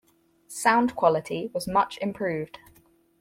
Sound quality was much improved.